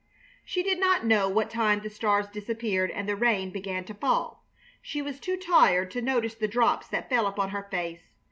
She did not know what time the stars disappeared and the rain began to fall. She was too tired to notice the drops that fell upon her face.